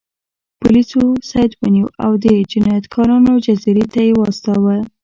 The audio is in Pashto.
پولیسو سید ونیو او د جنایتکارانو جزیرې ته یې واستاوه.